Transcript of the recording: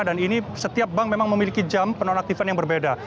dan ini setiap bank memang memiliki jam penonaktifan yang berbeda